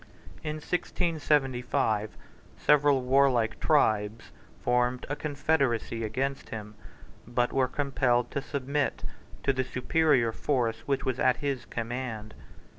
In 1675, several warlike tribes formed a confederacy against him, but were compelled to submit to the superior force which was at his command.